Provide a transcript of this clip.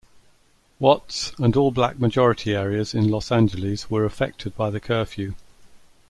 Watts and all black majority areas in Los Angeles were affected by the curfew.